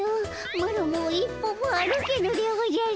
マロもう一歩も歩けぬでおじゃる。